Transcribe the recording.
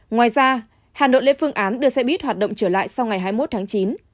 ngoài ra hà nội lên phương án đưa xe buýt hoạt động trở lại sau ngày hai mươi một tháng chín